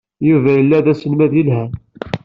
Yuba yella ila aselmad yelhan.